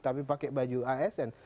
tapi pakai baju asn